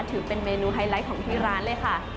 ถือเป็นเมนูไฮไลท์ของที่ร้านเลยค่ะ